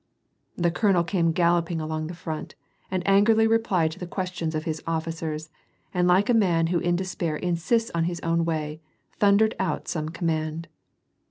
The colonel came galloping along the front; and angrily replied to the questions of his officers, and like a man who in despair insists on his own way, thundered out some command.